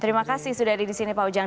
terima kasih sudah ada di sini pak ujang